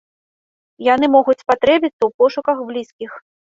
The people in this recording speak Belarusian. Яны могуць спатрэбіцца ў пошуках блізкіх.